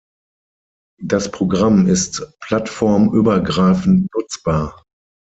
Das Programm ist plattformübergreifend nutzbar.